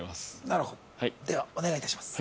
なるほどではお願いいたします